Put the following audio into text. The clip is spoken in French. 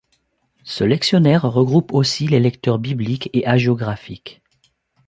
Ce lectionnaire regroupe aussi les lectures bibliques et hagiographiques.